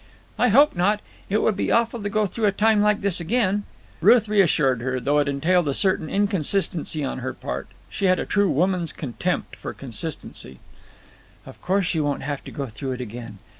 "I hope not. It would be awful to go through a time like this again." Ruth reassured her, though it entailed a certain inconsistency on her part. She had a true woman's contempt for consistency. "Of course you won't have to go through it again.